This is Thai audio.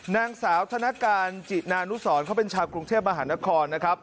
นางสาวธนการจินานุสรเขาเป็นชาวกรุงเทพมหานครนะครับ